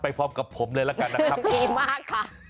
พร้อมกับผมเลยละกันนะครับทำดีมากค่ะ